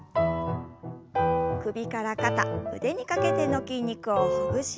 首から肩腕にかけての筋肉をほぐしながら軽く。